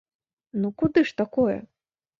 Ну куды ж такое?